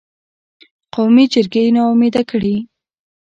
قومي جرګې یې نا امیده کړې.